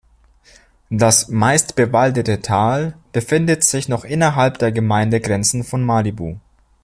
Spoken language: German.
Das meist bewaldete Tal befindet sich noch innerhalb der Gemeindegrenzen von Malibu.